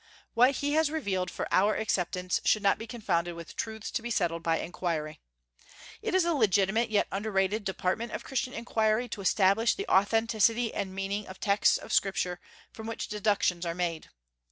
What He has revealed for our acceptance should not be confounded with truths to be settled by inquiry. It is a legitimate yet underrated department of Christian inquiry to establish the authenticity and meaning of texts of Scripture from which deductions are made.